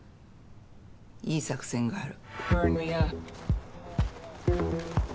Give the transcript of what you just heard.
いい作戦がある。